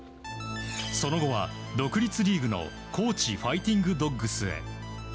その後は、独立リーグの高知ファイティングドッグスへ。